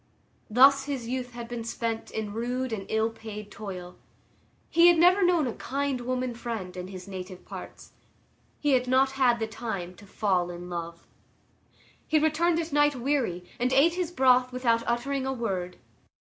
Thus his youth had been spent in rude and ill paid toil. He had never known a "kind woman friend" in his native parts. He had not had the time to fall in love. He returned at night weary, and ate his broth without uttering a word.